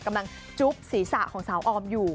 กำลังจุ๊บศีรษะของสาวออมอยู่